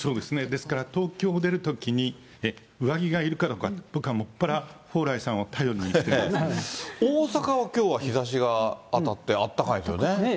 ですから東京を出るときに上着がいるかどうか、もっぱら、大阪はきょうは日ざしが当たって、あったかいんですよね。